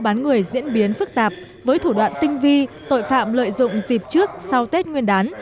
bán người diễn biến phức tạp với thủ đoạn tinh vi tội phạm lợi dụng dịp trước sau tết nguyên đán